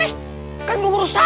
eh lu pada mau kemana